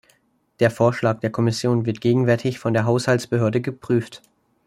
Der Vorschlag der Kommission wird gegenwärtig von der Haushaltsbehörde geprüft.